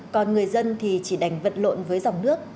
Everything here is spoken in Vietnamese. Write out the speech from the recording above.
còn người dân thì chỉ đành vật lộn với dòng nước